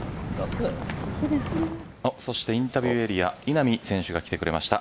そしてインタビューエリア稲見選手が来てくれました。